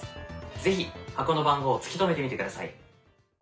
是非箱の番号を突き止めてみてください。